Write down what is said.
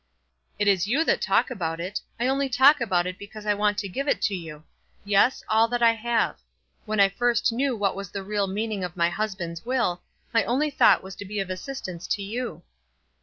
"It is you that talk about it. I only talk about it because I want to give it you; yes, all that I have. When I first knew what was the real meaning of my husband's will, my only thought was to be of assistance to you."